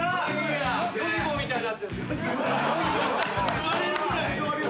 座れるぐらい。